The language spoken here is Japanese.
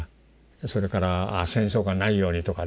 それから戦争がないようにとかですね